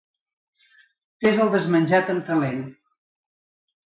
Fer el desmenjat amb talent.